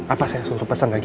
apa saya suruh pesan lagi